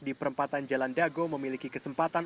di perempatan jalan dago memiliki kesempatan